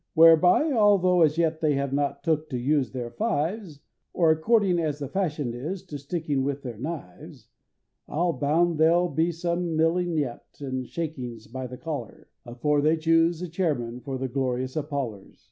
Whereby, altho' as yet they have not took to use their fives, Or, according as the fashion is, to sticking with their knives, I'm bound they'll be some milling yet, and shakings by the collars, Afore they choose a Chairman for the Glorious Apollers!